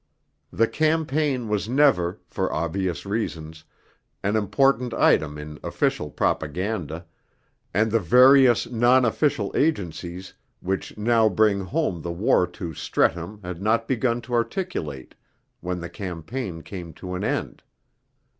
The campaign was never, for obvious reasons, an important item in official propaganda, and the various non official agencies which now bring home the war to Streatham had not begun to articulate when the campaign came to an end.